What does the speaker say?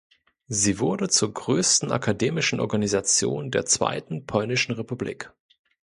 Sie wurde zur größten akademischen Organisation der Zweiten Polnischen Republik.